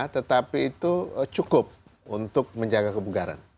tetapi itu cukup untuk menjaga kebugaran